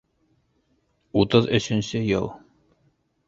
Утыҙ өсөнсө йыл.